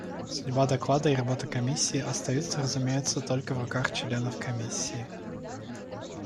Судьба доклада и работа Комиссии остаются, разумеется, только в руках членов Комиссии.